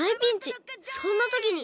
そんなときに！